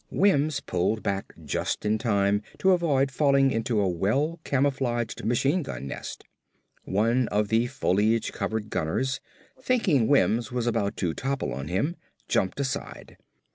Wims pulled back just in time to avoid falling into a well camouflaged machine gun nest. One of the foliage covered gunners, thinking Wims was about to topple on him, jumped aside.